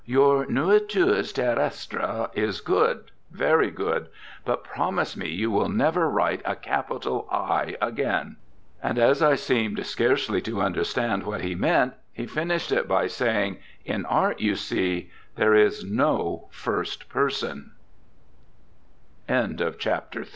Your Nourritures Terrestres is good, very good, but promise me you will never write a capital "I" again.' And as I seemed scarcely to understand what he meant, he finished up by saying, 'In Art, you see, there is no first